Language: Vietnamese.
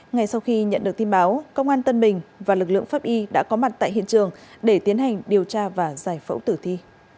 ngay sau khi nhận được tin báo công an tân bình và lực lượng pháp y đã có mặt tại hiện trường để tiến hành điều tra và giải phẫu tử thi